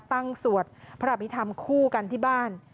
ตั้งสวดพระบิธรรมคู่กันที่บ้าน